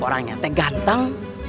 orangnya teh ganteng